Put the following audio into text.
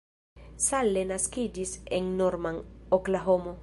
Salle naskiĝis en Norman, Oklahomo.